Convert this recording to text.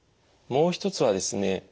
もう一つはですね